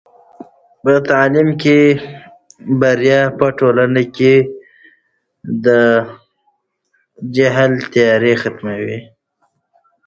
په تعلیم کې بریا په ټولنه کې د جهل تیارې ختموي.